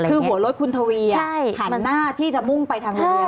คือหัวรถคุณทวีอ่ะหันหน้าที่จะมุ่งไปทางโรงพยาบาล